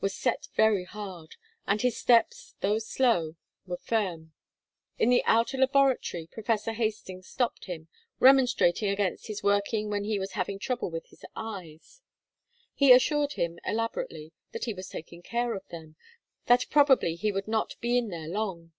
was set very hard, and his steps, though slow, was firm. In the outer laboratory, Professor Hastings stopped him, remonstrating against his working when he was having trouble with his eyes. He assured him, elaborately, that he was taking care of them, that probably he would not be in there long.